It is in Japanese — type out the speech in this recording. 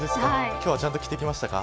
今日はちゃんと着てきましたか。